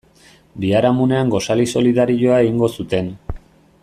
Biharamunean gosari solidarioa egingo zuten.